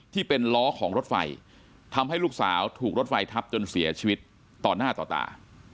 ที่เป็นล้อของรถไฟทำให้ลูกสาวถูกรถไฟทับจนเสียชีวิตต่อหน้าต่อตา